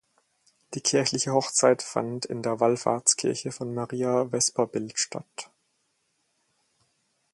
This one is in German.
Die kirchliche Hochzeit fand in der Wallfahrtskirche von Maria Vesperbild statt.